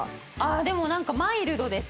でもなんかマイルドです。